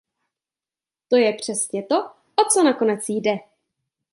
To je přesně to, o co nakonec jde.